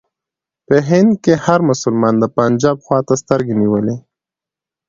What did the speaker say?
په هند کې هر مسلمان د پنجاب خواته سترګې نیولې.